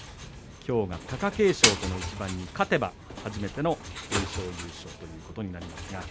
きょうは貴景勝との一番に勝てば、初めての全勝優勝ということになります。